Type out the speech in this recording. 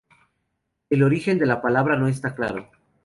El origen de la palabra no está claro.